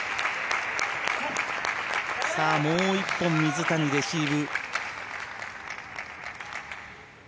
もう１本、水谷レシーブ。